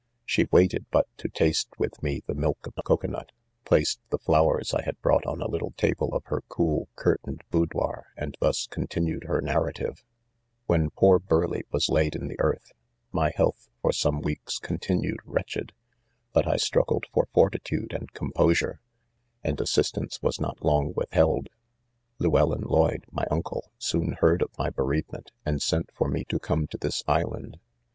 She' waited put to taste with me the milk of a cocoa nut, placed the flowers I had brought on a little table") of her cooi curtained boudoir, and thus continued her narrative; & When poor Burleigh was laid in the earth, my health, for some wedks, continued wretch ed, hut I struggled for ' fortitude and compo sure,, and assistance 'was not long withheld. — Lewellyn Lloyd, my uncle, soon heard of my bereavement, and sent for me to come to this Island.